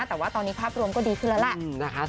แต่ว่าตอนนี้ภาพรวมก็ดีขึ้นแล้วแหละนะคะ